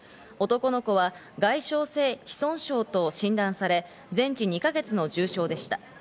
男の子は外傷性脾損傷と診断され、全治２か月の重傷でした。